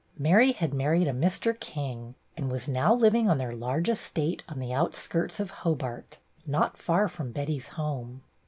Mary had married a Mr. King, and was now living on their large estate on the outskirts of Hobart, not far from Betty's home.